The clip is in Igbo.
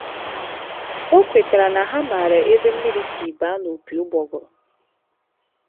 kwetere na ha mara ebe mmiri siri banye n’opi ụgbọgụrụ.